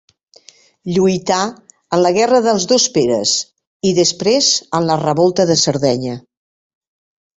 Lluità en la guerra dels dos Peres i, després en la revolta de Sardenya.